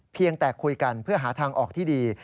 เพียงแต่คุยกันเพื่อหาทางออกที่ดี